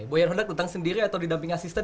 pak boyan hendak tentang sendiri atau didamping asisten